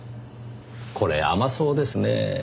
これ甘そうですねぇ。